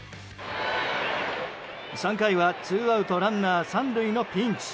３回はツーアウトランナー３塁のピンチ。